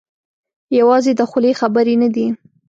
یوازې د خولې خبرې نه دي.